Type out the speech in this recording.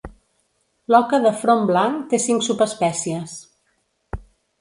L"oca de front blanc té cinc subespècies.